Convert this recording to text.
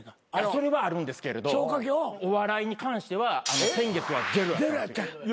それはあるんですけれどお笑いに関しては先月はジェロやったんですよ。